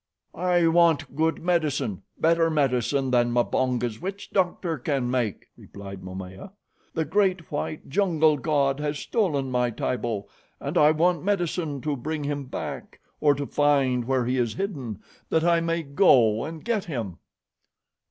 "I want good medicine, better medicine than Mbonga's witch doctor can make," replied Momaya. "The great, white, jungle god has stolen my Tibo, and I want medicine to bring him back, or to find where he is hidden that I may go and get him."